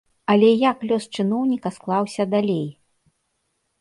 Але як лёс чыноўніка склаўся далей?